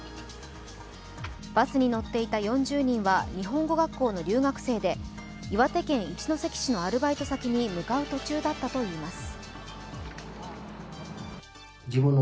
バスに乗っていた４０人は日本語学校の留学生で岩手県一関市のアルバイト先に向かう途中だったといいます。